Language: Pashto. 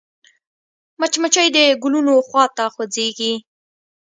مچمچۍ د ګلونو خوا ته خوځېږي